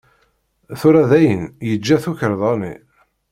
Tura dayen yeǧǧa tukerḍa-nni.